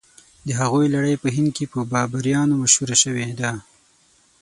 د هغوی لړۍ په هند کې په بابریانو مشهوره شوې ده.